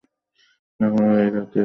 এখনও এই জাতির হৃদয় লক্ষ্যভ্রষ্ট হয় নাই।